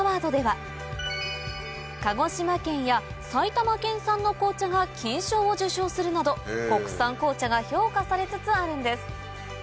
鹿児島県や埼玉県産の紅茶が金賞を受賞するなど国産紅茶が評価されつつあるんです